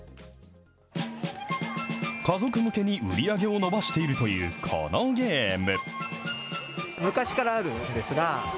家族向けに売り上げを伸ばしているというこのゲーム。